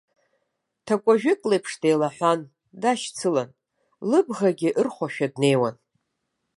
Ҭакәажәык леиԥш деилаҳәан, дашьцылан, лыбӷагьы ырхәашәа днеиуан.